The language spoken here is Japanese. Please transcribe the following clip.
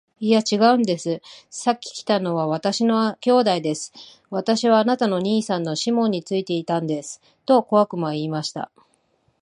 「いや、ちがうんです。先来たのは私の兄弟です。私はあなたの兄さんのシモンについていたんです。」と小悪魔は言いました。